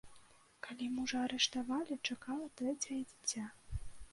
Калі мужа арыштавалі, чакала трэцяе дзіця.